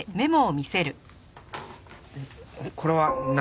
これは何？